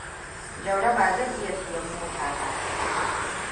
Jauro ba zai iya siyan mota ba.